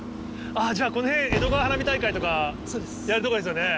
じゃこの辺江戸川花火大会とかやるとこですよね。